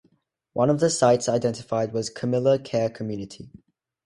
One of the sites identified was Camilla Care Community.